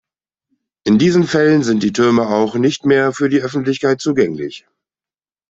In diesen Fällen sind die Türme auch nicht mehr für die Öffentlichkeit zugänglich.